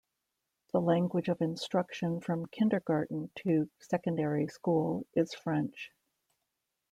The language of instruction from kindergarten to secondary school is French.